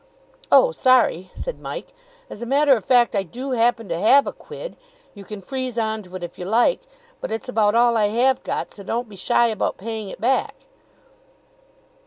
"Oh, sorry," said Mike. "As a matter of fact, I do happen to have a quid. You can freeze on to it, if you like. But it's about all I have got, so don't be shy about paying it back."